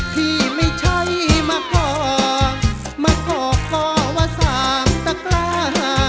ที่ไม่ใช่มาขอมากอกพ่อว่าสามตะกล้า